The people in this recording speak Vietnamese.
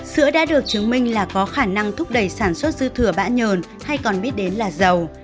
sữa đã được chứng minh là có khả năng thúc đẩy sản xuất dư thừa bã nhờn hay còn biết đến là dầu